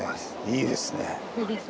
いいですね。